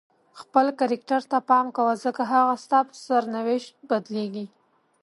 خپل کرکټر ته پام کوه ځکه هغه ستا په سرنوشت بدلیږي.